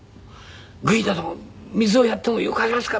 「軍医殿水をやってもよくありますか？」